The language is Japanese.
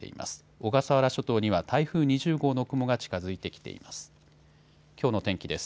小笠原諸島には台風２０号の雲が近づいてきています。